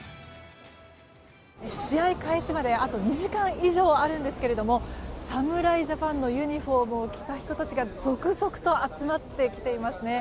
試合開始まであと２時間以上あるんですが侍ジャパンのユニホームを着た人たちが続々と集まってきていますね。